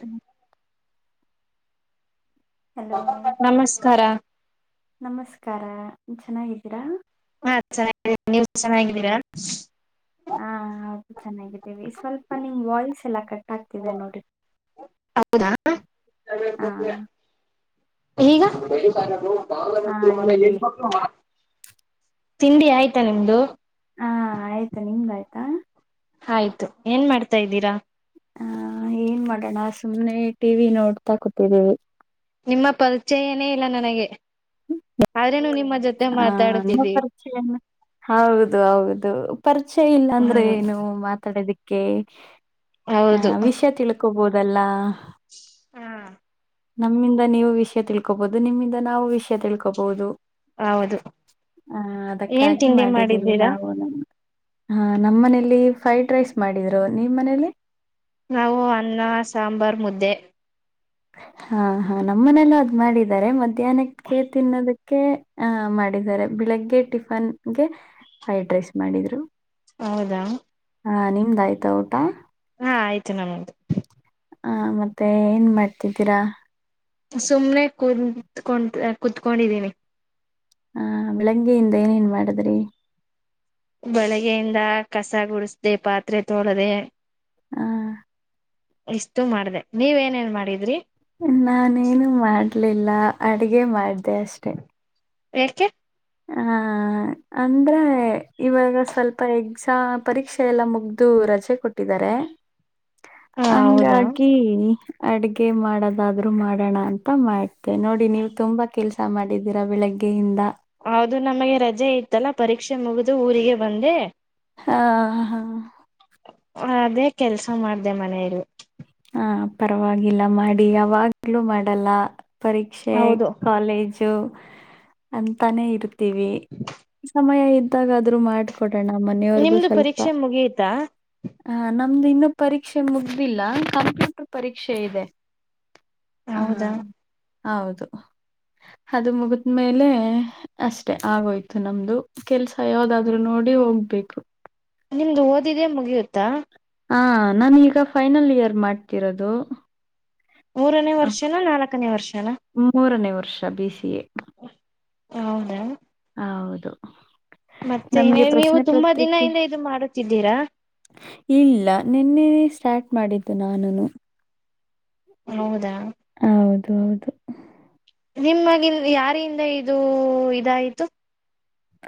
ಹ್ಮ ನಮಸ್ಕಾರ ನಮಸ್ಕಾರ ಚೆನ್ನಾಗಿದ್ದೀರಾ. ಹಾ ಚನ್ನಾಗಿದೀನಿ ನೀವ್ ಚೆನ್ನಾಗಿದ್ದೀರಾ. ಹಾ ಹೌದು ಚೆನ್ನಾಗಿ ಸ್ವಲ್ಪ ನಿಮ್ ವಾಯ್ಸ್ ಎಲ್ಲಾ ಕಟ್ ಆಗ್ತಿದೆ ನೋಡಿ. ಹಾ ಹೌದಾ ಈಗ ಹಾ ಈಗ ಹೇಳಿ ತಿಂಡಿ ಆಯ್ತಾ ನಿಮ್ದು. ಆಯ್ತ ನಿಮ್ ಆಯ್ತಾ. ಆಯ್ತು ಏನ್ ಮಾಡ್ತಾ ಇದ್ದೀರಾ. ಹ ಏನ್ ಮಾಡೋಣ ಸುಮ್ನೆ ಟಿ ವಿ ನೋಡ್ತಾ ಕೂತಿದ್ದೀವಿ. ನಿಮ್ಮ ಪರಿಚಯನೇ ಇಲ್ಲ ನನಗೆ ಆದ್ರೇನು. ನಿಮ್ಮ ಜೊತೆ ಆ ನಿಮ್ಮ ಮಾತಾಡುತ್ತಿದ್ದೀವಿ. ಪರಿಚಯ ಹೌದು ಹೌದು ಪರಿಚಯ ಇಲ್ಲಾ ಅಂದ್ರೆ ಹ್ಮ ಏನು ಮಾತಾಡೋದಿಕ್ಕೆ. ಓಕೆ [unintelligible] ಹಾ ಹೌದು ವಿಷ ತಿಳ್ಕೋಬೋದಲ್ಲ ಹಾ ನಮ್ಮಿಂದ ನೀವು ವಿಷಯ ತಿಳ್ಕೋಬಹುದು. ನಿಮ್ಮಿಂದ ನಾವು ವಿಷಯ ತಿಳ್ಕೋಬಹುದು. ಹೌದು [inaudible] ಹಾ ಏನ್ ಅದಕ್ಕಾಗಿ ತಿಂಡಿ ಮಾಡಿದ್ದೀವಿ ಮಾಡಿದ್ದೀರಾ ನಾವುನು ಹಾ ನಮ್ಮ ಮನೇಲಿ ಫ್ರೈಡ್ ರೈಸ್ ಮಾಡಿದ್ರು ನಿಮ್ಮ ಮನೇಲಿ. ನಾವು ಅನ್ನ ಸಾಂಬಾರ್ ಮುದ್ದೆ. ಹಾ ಹಾ ನಮ್ಮನೆಲ್ಲ ಅದ್ ಮಾಡಿದ್ದಾರೆ ಮಧ್ಯಾಹ್ನಕ್ಕೆ ತಿನ್ನೋದಕ್ಕೆ. ಹಾ ಮಾಡಿದ್ದಾರೆ ಬೆಳಿಗ್ಗೆ ಟಿಫನ್ಗೆ ಫ್ರೈಡ್ ರೈಸ್ ಮಾಡಿದ್ರು. ಹೌದಾ ಹಾ ನಿಮ್ದ ಆಯ್ತಾ ಊಟ? ಹಾ ಆಯ್ತು ನಮ್ಮದು ಹಾ ಮತ್ತೆ ಏನ್ ಮಾಡ್ತಿದ್ದೀರಾ. ಸುಮ್ನೆ ಕುಂತ್ ಕುೂತ್ಕೊಂಡಿದೀನಿ ಹಾ ಬೆಳಂಗೆಯಿಂದ ಏನೇನ್ ಮಾಡಿದ್ರಿ. ಬೆಳಗ್ಯಿಂದ ಕಸ ಗುಡಸದೇ ಪಾತ್ರೆ ತೋಳದೆ. ಹ್ಮ ಇಷ್ಟು ಮಾಡದೆ ನೀವ ಏನೇನ್ ಮಾಡಿದ್ರಿ. ನಾನೇನು ಮಾಡಲಿಲ್ಲ ಅಡಗೆ ಮಾಡ್ದೆ ಅಷ್ಟೆ ಏಕೆ ಹ ಅಂದ್ರೆ ಇವಾಗ ಸ್ವಲ್ಪ ಎಕ್ಸಾಮ್ ಪರೀಕ್ಷೆ ಎಲ್ಲ ಮುಗ್ದು ರಜೆ ಕೊಟ್ಟಿದ್ದಾರೆ. ಹ [inaudible] ಹೌದಾ ಹಂಗಾಗಿ ಅಡಗೆ ಮಾಡೋದಾದ್ರೂ ಮಾಡಣ ಅಂತ ಮಾಡ್ತೇ ನೋಡಿ ನೀವು ತುಂಬಾ ಕೆಲಸ ಮಾಡಿದ್ದೀರಾ ಬೆಳಗ್ಗೆ ಯಿಂದ ಹೌದು ನಮಗೆ ರಜೆ ಇತ್ತಲ್ಲ ಪರೀಕ್ಷೆ ಮುಗಿದು ಊರಿಗೆ ಬಂದೆ. ಹಾ ಹಾ ಅದೇ ಕೆಲ್ಸ ಮಾಡ್ದೆ ಮನೇಲಿ. ಹಾ ಪರವಾಗಿಲ್ಲ ಮಾಡಿ ಯಾವಾಗ್ಲೂ ಮಾಡಲ್ಲ, ಪರೀಕ್ಷೆ ಹೌದು ಕಾಲೇಜ್ [unintelligible] ಅಂತಾನೇ ಇರ್ತೀವಿ. ಸಮಯ ಇದ್ದಾಗ ಆದ್ರು ಮಾಡ ಕೊಡಣ ಮನೆವ್ರುಗು ನಿಮ್ದು ಸ್ವಲ್ಪ. ಪರೀಕ್ಷೆ ಮುಗಿಯುತ್ತಾ ಹಾ ನಮ್ದ ಇನ್ನೂ ಪರೀಕ್ಷೆ ಮುಗ್ದಿಲ್ಲ. ಕಂಪ್ಯೂಟರ್ ಪರೀಕ್ಷೆ ಇದೆ [inaudible] ಹಾ ಹೌದಾ ಹೌದು. ಅದು ಮುಗಿದ್ಮೇಲೆ ಅಷ್ಟೆ ಆಗೋಯ್ತು ನಮ್ದು. ಕೆಲ್ಸ ಯಾವ್ದಾದ್ರು ನೋಡಿ ಹೋಗ್ಬೇಕು. ನಿಮ್ದು ಓದಿದೆ ಮುಗಿಯುತ್ತಾ? ಹಾ ನಾನೀಗ ಫೈನಲ್ ಇಯರ್ ಮಾಡ್ತಿರೋದು. ಮೂರನೇ ವರ್ಷನಾ, ನಾಲ್ಕನೇ ವರ್ಷನಾ? ಮೂರನೇ ವರ್ಷ ಬಿ ಸಿ ಎ ಹೌದ ಹೌದು ಮತ್ತೆ ನಮ್ಗೆ ಇನ್ನೇನು ನೀವು ಪ್ರಶ್ನೆ ತುಂಬಾ ದಿನ ಪತ್ರಿಕೆ ಇಂದ ಇದು ಮಾಡುತ್ತಿದ್ದೀರಾ ಇಲ್ಲ ನಿನ್ನೆ ಸ್ಟಾರ್ಟ್ ಮಾಡಿದ್ದು ನಾನುನು. ಹೌದಾ ಹೌದು ಹೌದು ನಿಮ್ಮಗ ಯಾರಿಂದ ಇದು ಇದಾಯ್ತು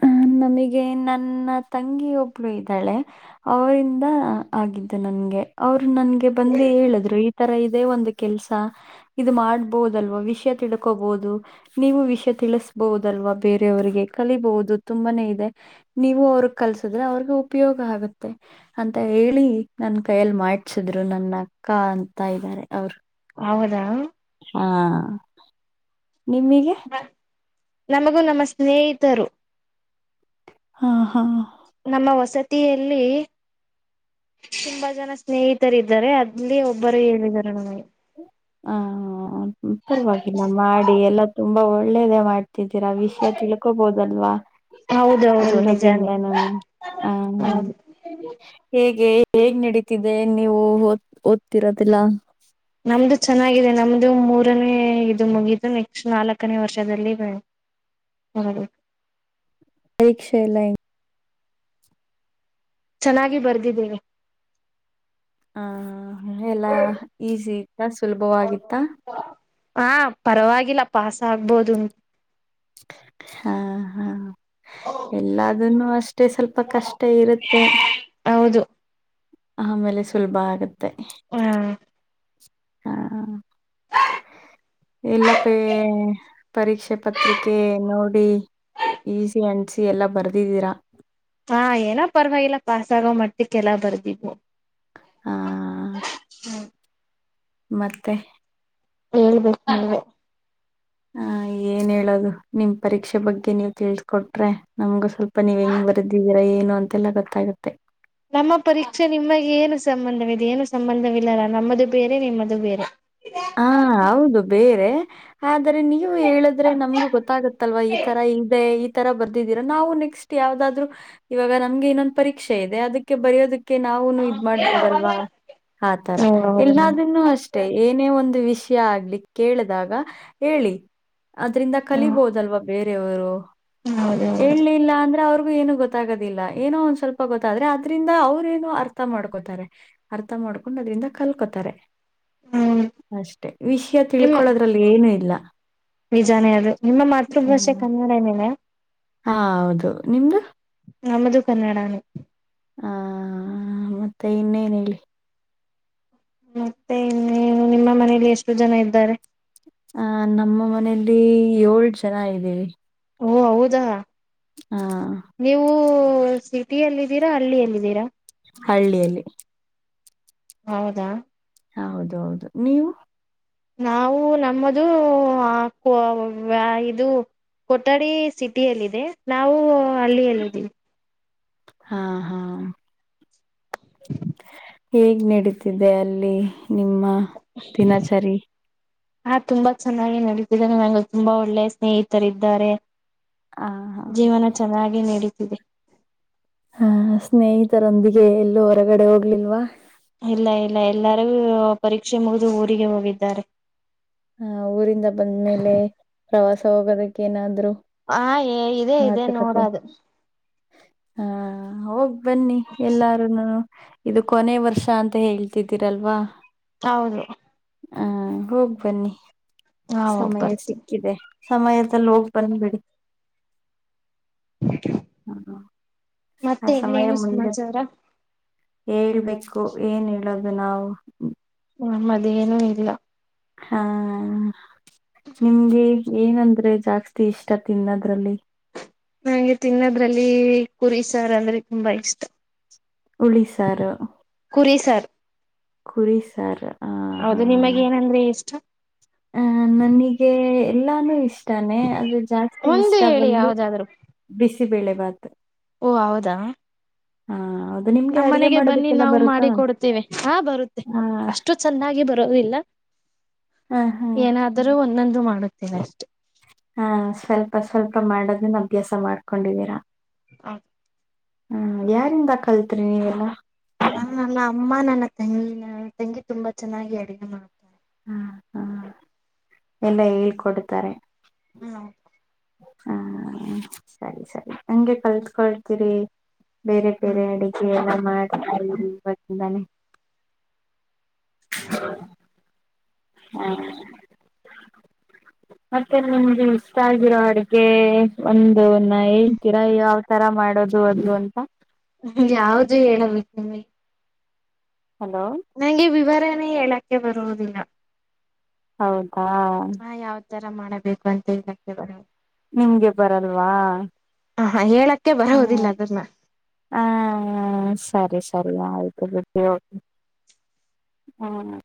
ಹ ನಮಗೆ ನನ್ನ ತಂಗಿ ಒಬ್ಳ ಇದ್ದಾಳೆ ಅವರಿಂದ ಆಗಿದ್ದು ನನ್ಗೆ ಅವರು ನನ್ಗೆ ಬಂದೇ ಹೇಳಿದ್ರು ತರ ಇದೇ ಒಂದು ಕೆಲ್ಸ ಇದು ಮಾಡ್ಬಹದಲ್ವಾ ವಿಷಯ ತಿಡ್ಕೋಬಹುದು ನೀವು ವಿಷಯ ತಿಳಿಸಬಹುದಲ್ವಾ ಬೇರೆಯವರಿಗೆ ಕಲಿಬಹುದು ತುಂಬಾನೇ ಇದೆ ನೀವು ಅವ್ರಿಗೆ ಕಲ್ಸಿದ್ರೆ ಅವ್ರಿಗೆ ಉಪಯೋಗ ಆಗುತ್ತೆ ಅಂತ ಹೇಳಿ ನನ್ ಕೈಯಲ್ಲಿ ಮಾಡ್ಸಿದ್ರು ನನ್ನ ಅಕ್ಕ ಅಂತ ಇದ್ದಾರೆ ಅವರು ಹೌದಾ ಹಾ ನಿಮಗೆ ನಮಗೂ ನಮ್ಮ ಸ್ನೇಹಿತರು ಹಾ ಹಾ ನಮ್ಮ ವಸತಿಯಲ್ಲಿ ತುಂಬಾ ಜನ ಸ್ನೇಹಿತರ ಇದ್ದಾರೆ ಅಲ್ಲಿ ಒಬ್ಬರು ಹೇಳಿದ್ದಾರೆ ನಮಗೆ ಹ ಪರವಾಗಿಲ್ಲ ಮಾಡಿ ಎಲ್ಲಾ ತುಂಬಾ ಒಳ್ಳೇದ ಮಾಡ್ ಗತ್ತಿದ್ದೀರಾ ವಿಷಯ ತಿಳ್ಕೋಬೋದಲ್ವಾ ಹೌದೌದು ಎಲ್ರದಿಂದ ನಿಜಾನೇ ನಾನು ಹ ಹೌದು ಹೇಗೆ ಹೇಗ್ ನಡೀತಿದೆ ನೀವು ಓದ ಓದ್ತಿರೋದಿಲ್ಲ ನಮ್ದು ಚೆನ್ನಾಗಿದೆ ನಮ್ದು ಮೂರ್ ರ ಇದು ಮುಗಿದ್ದು ನೆಕ್ಸ್ಟ್ ನಾಲ್ಕನೇ ವರ್ಷದಲ್ಲಿ ಹದು ಪರೀಕ್ಷೆ ಎಲ್ಲ ಚೆನ್ನಾಗಿ ಬರ್ದಿದ್ದೀನಿ ಹ ಎಲ್ಲಾ ಈಸಿ ಇತ್ತ ಸುಲಭವಾಗಿತ್ತ ಹ ಪರವಾಗಿಲ್ಲ ಪಾಸ್ ಆಗ್ಬೋದುಂಟು ಹಾ ಹಾ ಎಲ್ಲಾದನ್ನು ಅಷ್ಟೇ ಸ್ವಲ್ಪ ಕಷ್ಟ ಇರುತ್ತೆ ಹೌದು ಆಮೇಲೆ ಸುಲಭ ಆಗುತ್ತೆ ಹ ಹಾ ಎಲ್ಲ ಪೇ ಪರೀಕ್ಷೆ ಪತ್ರಿಕೆ ನೋಡಿ ಈಸಿ ಅನ್ಸಿ ಎಲ್ಲಾ ಬರ್ದಿದ್ದೀರಾ ಹಾ ಏನ ಪರವಾಗಿಲ್ಲ ಪಾಸ್ ಆಗೋ ಮಟ್ಟಕ್ಕೆ ಎಲ್ಲ ಬರ್ದ್ವು ಹಾ ಮತ್ತೆ ಹೇಳ್ಬೇಕು ನೀವೆ ಹ ಏನ್ ಹೇಳದು ನಿಮ್ ಪರೀಕ್ಷೆ ಬಗ್ಗೆ ನೀವು ತಿಳ್ಸ್ಕೊಟ್ರೆ ನಮ್ಗು ಸ್ವಲ್ಪ ಇಪ್ಪ ನೀವ್ ಹೆಂಗ್ ಬರೆದಿದ್ದೀರಾ ಏನು ಅಂತೆಲ್ಲ ಗೊತ್ತಾಗತ್ತೆ ನಮ್ಮ ಪರೀಕ್ಷೆ ನಿಮಗೆ ಏನು ಸಂಬಂಧವಿದೆ ಏನು ಸಂಬಂಧವಿಲ್ಲಲ್ಲ ನಮ್ಮದು ಬೇರೆ ನಿಮ್ಮದು ಬೇರೆ ಹಾ ಹೌದು ಬೇರೆ ಆದ್ರೆ ನೀವು ಹೇಳಿದ್ರ ನಮ್ಗೂ ಗೊತ್ತಾಗತ್ತಲ್ವಾ ಈ ತರ ಇದೆ ತರ ಬರ್ದಿದ್ದೀರಾ ನಾವು ನೆಕ್ಸ್ಟ್ ಯಾವದಾದ್ರು ಇವಾಗ ನಮ್ಗೆ ಇನ್ನೊಂದು ಪರೀಕ್ಷೆ ಇದೆ ಅದಕ್ಕೆ ಬರೆಯೋದಕ್ಕೆ ಕೆ ನಾವುನು ಓ ಇದ್ ಮಾಡ್ಬೋದಲ್ವಾ ಹೌದಾ ಆತರ ಹ್ಮ್ ಎಲ್ಲನ್ನು ಅಷ್ಟೇ ಏನೇ ಒಂದು ವಿಷಯ ಆಗ್ಲಿ ಕೇಳಿದಾಗ ಹೇಳಿ ಅದ್ರಂದ ಕಲಿಬಹದಲ್ವಾ ಬೇರೆ ಬೇರೆ ಅವರು ಹೌದು ಹೌದು ಹೇಳಲಿಲ್ಲ ಅಂದ್ರೆ ಅವ್ರಿಗೂ ಏನು ಗೊತ್ತ ಗೊತ್ತಾಗೋದಿಲ್ಲ ಏನೋ ಒಂದ್ ಸ್ವಲ್ಪ ಗೊತ್ತಾದ್ರೆ ಅದ್ರಿಂದ ಅವ್ರೇನೋ ಅರ್ಥ ಮಾಡ್ಕೋತಾರೆ ಅರ್ಥ ಮಾಡ್ಕೊಂಡ್ ಅದ್ರಿಂದ ಕಲ್ಕೊತಾರೆ ಹ್ಮ್ ಅಷ್ಟೆ ವಿಷಯ ನಿಮ್ಮ ತಿಳ್ಕೊಳೋದ್ರಲ್ಲಿ ಏನು ಇಲ್ಲ ನಿಜಾನೇ ಅದು ನಿಮ್ಮ ಮಾತೃಭಾಷೆ ಕನ್ನಡ ಏನೆನ ಹಾ ಹೌದು ನಿಮ್ದು ನಮ್ದು ಕನ್ನಡಾನೆ ಹ ಮತ್ತೆ ಇನ್ನೇನ್ ಏನ್ ಹೇಳಿ ಮತ್ತೆ ಇನ್ನೇನು ನಿಮ್ಮ ಮನೇಲಿ ಎಷ್ಟು ಜನ ಇದ್ದಾರೆ ಆ ನಮ್ಮ ಮನೆಲಿ ಏಳ್ ಜನ ಇದ್ದೀವಿ ಓ ಹೌದಾ ಹಾ ನೀವು ಸಿಟಿಿಯಲ್ಲಿದ್ದೀರಾ ಹಳ್ಳಿಯಲ್ಲಿದ್ದೀರಾ ಹಳ್ಳಿಯಲ್ಲಿ ಹೌದಾ ಹಾ ಹೌದ ಹೌದು ನೀವು ನಾವು ನಮ್ಮದು ಆ ವಾ ಇದು ಕೊಠಡಿ ಸಿಟಿಿಯಲ್ಲಿದೆ ನಾವು ಹಳ್ಳಿಯಲ್ಲಿ ಇದ್ದೀವಿ ಹಾ ಹಾ [inaudible] ಹೇಗ್ ನಡೀತಿದೆ ಅಲ್ಲಿ ನಿಮ್ಮ ದಿನಚರಿ ಹಾ ತುಂಬಾ ಚೆನ್ನಾಗಿ ನಡೀತಿದ್ದೇನೆ ನನಗೆ ತುಂಬಾ ಒಳ್ಳೆ ಸ್ನೇಹಿತರಿದ್ದಾರೆ ಆ ಹಾ ಜೀವನ ಚೆನ್ನಾಗಿ ನಡೀತಿದೆ ಹಾ ಸ್ನೇಹಿತರೊಂದಿಗೆ ಎಲ್ಲೂ ಹೊರಗಡೆ ಹೋಗ್ಲಿಲ್ವಾ ಇಲ್ಲ ಇಲ್ಲ ಎಲ್ಲಾರೂ ಪರೀಕ್ಷೆ ಮುಗಿದು ಊರಿಗೆ ಹೋಗಿದ್ದಾರೆ ಹ ಊರಿಂದ ಬಂದ್ಮೇಲೆ ಪ್ರವಾಸ ಹೋಗೋದಕ್ಕೆ ಏನಾದ್ರು ಹ ಎ ಮಾತು ಕತೆ ಹ ಹ ಬನ್ನಿ ಎಲ್ಲಾರುನು ಇದು ಕೊನೆ ವರ್ಷ ಅಂತ ಹೇಳ್ತಿದ್ದೀರಲ್ವಾ ಹೌದು ಹ ಹೋಗ್ ಬನ್ನಿ ನಾವ್ ಹೋಗ್ ಸಮಯ ಬರ್ತೀವಿ. ಸಿಕ್ಕಿದೆ ಸಮಯದಲ್ಲಿ ಹೋಗಿ ಬಂದ್ಬಿಡಿ ಹ್ಮ ಆ ಮತ್ತೆ ಸಮಯ ಇನ್ನೇನು ಮುಂದೆ ಸಮಾಚಾರ. ಹೇಳ್ಬೇಕು ಏನ್ ಹೇಳೋದು ನಾವು ನಮ್ಮ್ದೇನೂ ಇಲ್ಲ ಹಾ ನಿಮ್ಗೆ ಏನಂದ್ರೆ ಜಾಸ್ತಿ ಇಷ್ಟ ತಿನ್ನದ್ರಲ್ಲಿ ನಂಗೆ ತಿನ್ನೋದ್ರಲ್ಲಿ ಕುರಿ ಸಾರ ಅಂದ್ರೆ ತುಂಬಾ ಇಷ್ಟ ಉಳಿ ಸಾರು ಕುರಿ ಸಾರ್. ಕುರಿ ಸಾರು ಹೌದು ನಿಮಗೆನಂದ್ರೆ ಇಷ್ಟ ಹ ನನಗೆ ಎಲ್ಲಾನು ಇಷ್ಟ ಇಷ್ಟಾನೇ ಆದ್ರೆ ಜಾಸ್ತಿ ಒಂದು ಇಷ್ಟ ಹೇಳಿ ಬಂದು ಯಾವ್ದಾದ್ರು. ಬಿಸಿಬೇಳೆ ಭಾತು ಓ ಹೌದಾ ಹಾ ಹೌದು ನಿಮ್ಗೆ ನಮ್ಮ ಅಡುಗೆ ಮನೆಗೆ ಬನ್ನಿ ಮಾಡೋದಕ್ಕೆಲ್ಲ ನಾವು ಬರುತ್ತಾ? ಮಾಡಿಕೊಡ್ತೇವೆ ಹಾ ಬರುತ್ತೆ ಆ ಅಷ್ಟು ಚೆನ್ನಾಗಿ ಬರೋದಿಲ್ಲ ಹಾ, ಹಾ. ಏನಾದರೂ ಒಂದೊಂದು ಮಾಡುತ್ತೇನೆ ಅಷ್ಟೆ ಹಾ ಸ್ವಲ್ಪ ಸ್ವಲ್ಪ ಮಾಡೋದನ್ನ ಅಭ್ಯಾಸ ಮಾಡ್ಕೊಂಡಿದೀರಾ ಹೌದು ಹ್ಮ್ ಯಾರಿಂದ ಕಲ್ತ್ರಿ ನೀವೆಲ್ಲಾ ನಾನಲ್ಲ ಅಮ್ಮ ನನ್ನ ತಂಗಿ ನ ತೆಂಗಿ ತುಂಬಾ ಚೆನ್ನಾಗಿ ಅಡುಗೆ ಮಾಡ ಹಾ ಹಾ ಎಲ್ಲಾ ಹೇಳ್ಕೊಡ್ತಾರೆ. ಹ್ಮ ಹಾ ಸರಿ ಸರಿ ಹಂಗೆ ಕಲ್ತ್ಕೊಳ್ತೀರಿ. ಬೇರೆ ಬೇರೆ ಹ್ಮ್ ಅಡಗೆ ಎಲ್ಲ ಮಾಡ್ [unintelligible] ಹಾಅ ಮತ್ತೆ ನಿಮ್ಗೆ ಇಷ್ಟ ಆಗಿರೋ ಅಡ್ಗೆ ಒಂದುನ ಹೇಳ್ತೀರಾ ಯ [unintelligible] ತರ ಮಾಡೋದು ಅದು ಅಂತ. ಯಾವ್ದು ಹೇಳಬೇಕು ನಿಮಗೆ. ಹಲೋ ನಂಗೆ ವಿವರಣೆ ಹೇಳಕ್ಕೆ ಬರುವುದಿಲ್ಲ. ಹೌದಾ ಹಾ ಯಾವ ತರ ಮಾಡಬೇಕು ಅಂತ ಹೇಳಕ್ಕೆ ಬರ ನಿಮ್ಗೆ ಬರಲ್ವಾ. ಅಹಾ ಹೇಳಕ್ಕೆ ಬರೋವುದಿಲ್ಲ ಹ್ಮ್ ಅದನ್ನ. ಹ ಸರಿ ಸರಿ ಆಯ್ತು ಬಿಡಿ ಹೊ ಹುನ